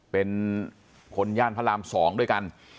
เป็นคนย่านพระราม๒ด้วยกัน